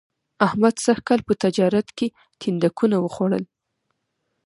احمد سږ کال په تجارت کې تیندکونه و خوړل